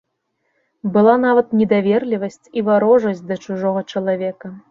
Была нават недаверлівасць і варожасць да чужога чалавека.